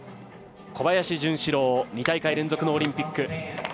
小林潤志郎２大会連続のオリンピック。